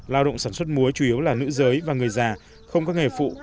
lao động sản xuất muối chủ yếu là nữ giới và người già không có nghề phụ